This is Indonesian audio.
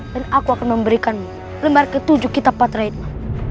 dan aku akan memberikanmu lembar ketujuh kitab patrihikma